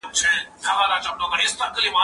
زه هره ورځ ليکنې کوم،